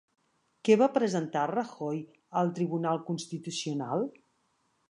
Què va presentar Rajoy al Tribunal Constitucional?